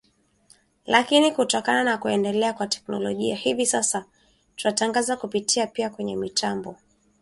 lakini kutokana na kuendelea kwa teknolojia hivi sasa tunatangaza kupitia pia kwenye mitambo